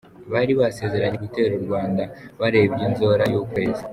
Bari basezeranye gutera u Rwanda barebye inzora y’ukwezi.